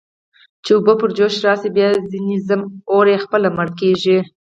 چې اوبه پر جوش راشي، بیا ځنې ځم، اور یې خپله مړ کېږي.